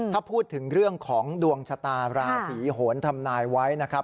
ถ้าพูดถึงเรื่องของดวงชะตาราศีโหนทำนายไว้นะครับ